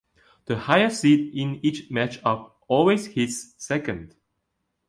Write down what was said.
The higher seed in each matchup always hits second.